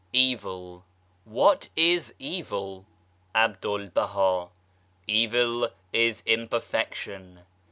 EVIL " What is evil ?" Abdul Baha. " Evil is imperfection.